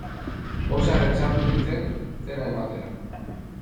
Pozarren sartu nintzen, dena ematera.